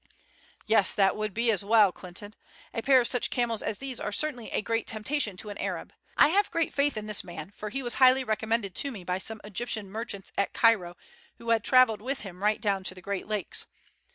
"Yes, that would be as well, Clinton. A pair of such camels as these are certainly a great temptation to an Arab. I have great faith in this man, for he was very highly recommended to me by some Egyptian merchants at Cairo who had travelled with him right down to the great lakes.